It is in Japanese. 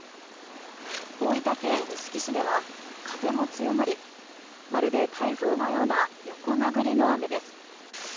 大分県臼杵市では風も強まり、まるで台風のような横殴りの雨です。